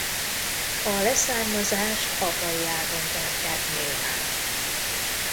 A leszármazást apai ágon tartják nyilván.